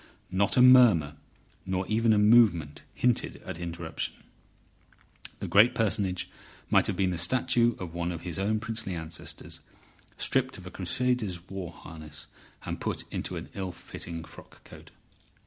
Not a murmur nor even a movement hinted at interruption. The great Personage might have been the statue of one of his own princely ancestors stripped of a crusader's war harness, and put into an ill fitting frock coat.